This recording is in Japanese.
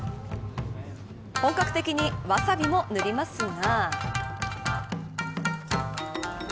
本格的にワサビも塗りますが。